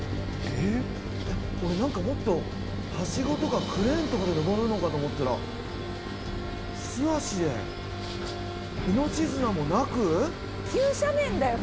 はしごとかクレーンとかで登るのかと思ったら素足で命綱もなく？